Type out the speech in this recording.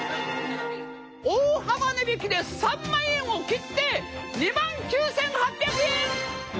大幅値引きで３万円を切って２万９，８００円！